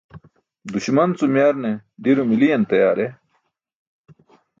Duśman cum yarne diro miliyan tayaar e?